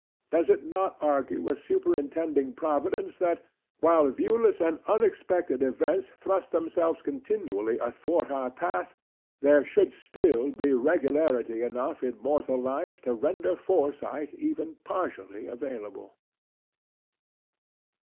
Does it not argue a superintending Providence that, while viewless and unexpected events thrust themselves continually athwart our path, there should still be regularity enough in mortal life to render foresight even partially available?